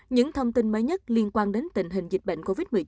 những thông tin mới nhất liên quan đến tình hình dịch bệnh covid một mươi chín